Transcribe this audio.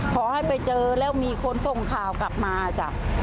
พอให้ไปเจอแล้วมีคนส่งข่าวกลับมาจ้ะ